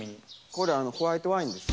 これホワイトワインです。